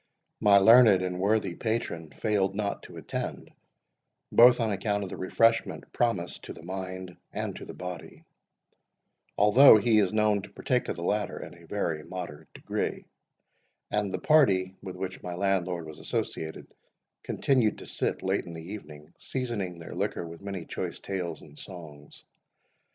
My LEARNED AND WORTHY patron failed not to attend, both on account of the refreshment promised to the mind and to the body, ALTHOUGH HE IS KNOWN TO PARTAKE OF THE LATTER IN A VERY MODERATE DEGREE; and the party, with which my Landlord was associated, continued to sit late in the evening, seasoning their liquor with many choice tales and songs.